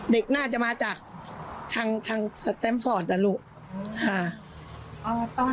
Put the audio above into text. เด็กน่าจะมาจากทางแซมฟอร์ดละลูกค่ะ